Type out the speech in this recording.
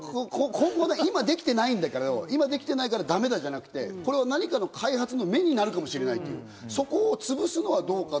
今できてないんだけど、今できてないからだめじゃなくて、開発のめになるかもしれない、そこを潰すのはどうか。